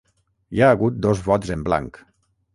Hi ha hagut dos vots en blanc.